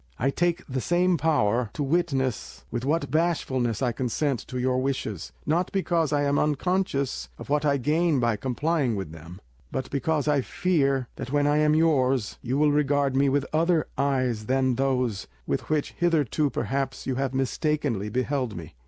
I take the same power to witness with what bashfulness I consent to your wishes, not because I am unconscious of what I gain by complying with them, but because I fear that when I am yours you will regard me with other eyes than those with which hitherto perhaps you have mistakingly beheld me.